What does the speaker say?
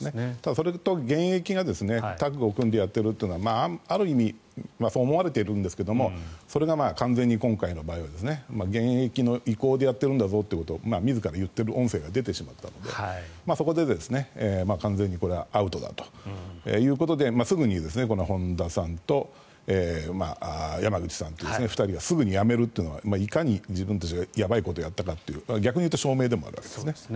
それだと現役がタッグを組んでやっているというのはある意味そう思われているんですがそれが完全に今回の場合は現役の意向でやっているんだぞということを自ら言ってる音声が出てしまったのでそこで完全にこれはアウトだということですぐに、この本田さんと山口さんという２人はすぐに辞めるというのはいかに自分たちがやばいことをやったかという逆に言うと証明でもあるわけですね。